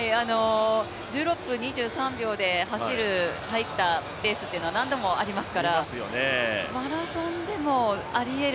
１６分２３秒で入ったペースというのは何度もありますから、マラソンでもありえる